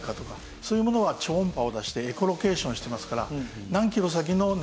そういうものは超音波を出してエコロケーションしてますから。